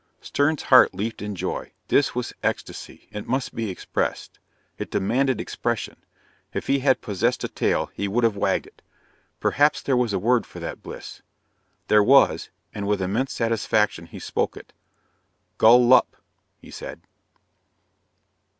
Stern's heart leaped in joy. This was ecstasy. It must be expressed. It demanded expression. If he had possessed a tail, he would have wagged it. Perhaps there was a word for that bliss. There was, and with immense satisfaction he spoke it. "Gull Lup," he said.